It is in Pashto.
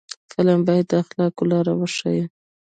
فلم باید د اخلاقو لار وښيي